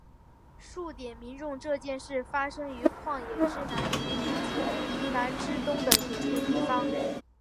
数点民众这件事发生于旷野之南及迦南之东的一处地方。